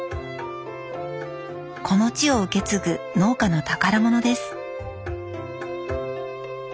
この地を受け継ぐ農家の宝物です。